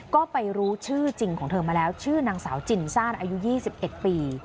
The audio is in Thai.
ก็ไปรู้ชื่อจริงของเธอมาแล้วชื่อนางสาวจินซ่านอายุ๒๑ปี